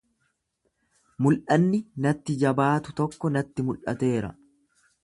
Mul'anni natti jabaatu tokko natti mul'ateera.